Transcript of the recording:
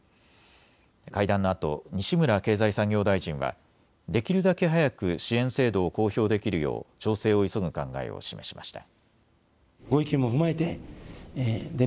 会談のあと西村経済産業大臣はできるだけ早く支援制度を公表できるよう調整を急ぐ考えを示しました。